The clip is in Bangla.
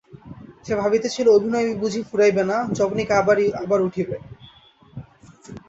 সে ভাবিতেছিল অভিনয় বুঝি ফুরাইবে না, যবনিকা আবার উঠিবে।